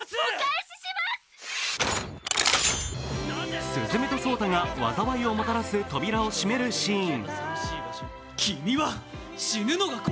鈴芽と草太が災いをもたらす扉を閉めるシーン。